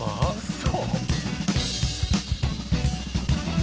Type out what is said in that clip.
「嘘！」